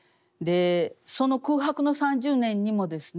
その空白の３０年にもですね